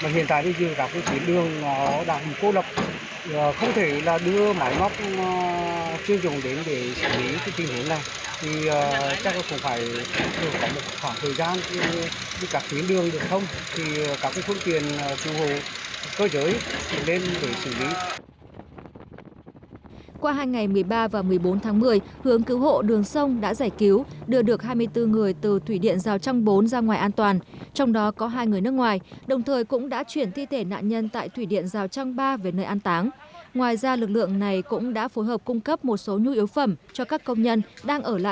hiện tại trên hiện trường này toàn bộ đất đá sát khoảng